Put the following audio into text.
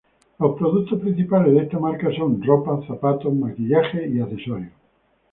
Los productos principales de esta marca son ropa, zapatos, maquillaje y accesorios.